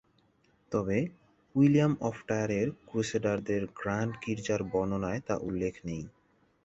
তবে, William of Tyre এর ক্রুসেডারদের গ্র্যান্ড গির্জার বর্ণনায়, তা উল্লেখ নেই।